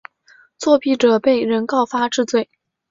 作弊者被人告发治罪。